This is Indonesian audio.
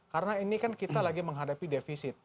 karena ini kan kita lagi menghadapi defisit